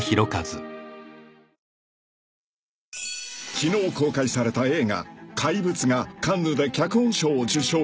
［昨日公開された映画『怪物』がカンヌで脚本賞を受賞］